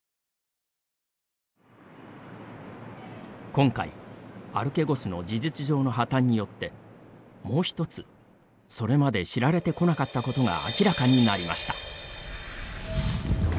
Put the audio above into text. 今回、アルケゴスの事実上の破綻によって、もう一つそれまで知られてこなかったことが明らかになりました。